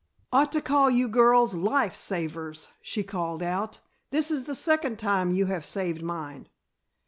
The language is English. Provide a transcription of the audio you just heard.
"Ought to call you girls life savers," she called out. "This is the second time you have saved mine."